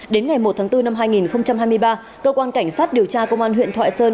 đến ngày một tháng bốn năm hai nghìn hai mươi ba cơ quan cảnh sát điều tra công an huyện thoại sơn